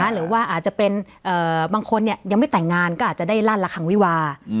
หรือว่าอาจจะเป็นบางคนยังไม่แต่งงานก็อาจจะได้ลั่นละคังวิวา